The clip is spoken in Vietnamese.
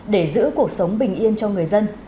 để giữ cuộc sống bình yên cho người dân